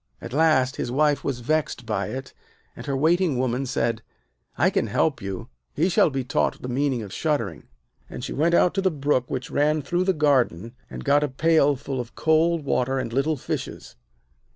At last his wife was vexed by it, and her waiting woman said: 'I can help you; he shall be taught the meaning of shuddering.' And she went out to the brook which ran through the garden and got a pail full of cold water and little fishes.